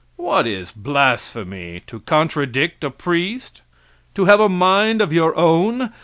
What is blasphemy? To contradict a priest? to have a mind of your own?